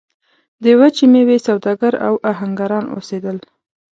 د وچې میوې سوداګر او اهنګران اوسېدل.